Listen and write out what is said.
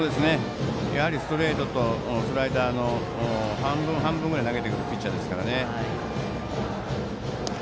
やはりストレートとスライダーの半分半分くらい投げてくるピッチャーですからね。